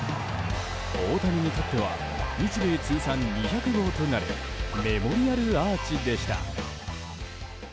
大谷にとっては日米通算２００号となるメモリアルアーチでした。